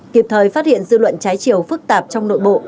kịp thời phát hiện dư luận trái chiều phức tạp trong nội bộ